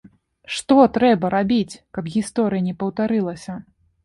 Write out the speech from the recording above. Што трэба рабіць, каб гісторыя не паўтарылася?